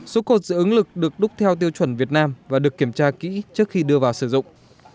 số cột dự ứng lực được đúc theo tiêu chuẩn việt nam và được kiểm tra kỹ trước khi đưa vào sử dụng